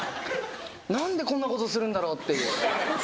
何でこんなことするんだろうっていう。